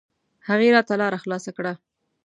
هغې راته لاره خلاصه کړه.